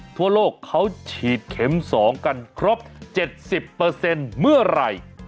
ทั่วโลกเขาฉีดเข็ม๒กันครบ๗๐เปอร์เซ็นต์เมื่อไหร่